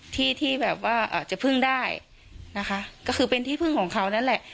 ที่ที่แบบว่าจะพึ่งได้นะคะก็คือเป็นที่พึ่งของเขานั่นแหละ